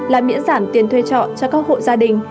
là miễn giảm tiền thuê trọ cho các hộ gia đình